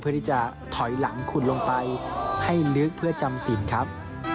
ที่จะถอยหลังขุดลงไปให้ลึกเพื่อจำสินครับ